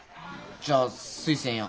じゃあ推薦や。